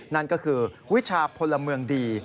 นั่นก็คือวิชาพลเมืองดี